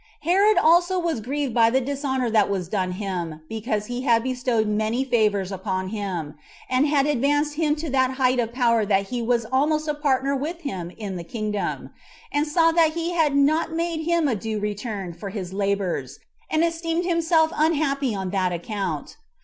Herod also was grieved by the dishonor that was done him, because he had bestowed many favors upon him, and had advanced him to that height of power that he was almost a partner with him in the kingdom, and saw that he had not made him a due return for his labors, and esteemed himself unhappy on that account.